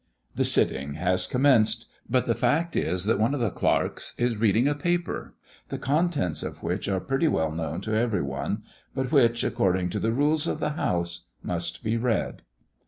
The sitting has commenced, but the fact is, that one of the clerks is reading a paper, the contents of which are pretty well known to every one, but which, according to the rules of the House, must be read.